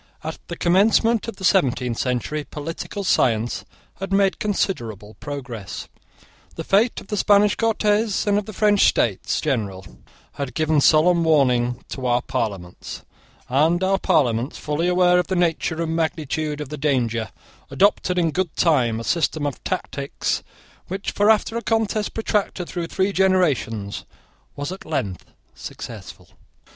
At the commencement of the seventeenth century political science had made considerable progress. The fate of the Spanish Cortes and of the French States General had given solemn warning to our Parliaments; and our Parliaments, fully aware of the nature and magnitude of the danger, adopted, in good time, a system of tactics which, after a contest protracted through three generations, was at length successful.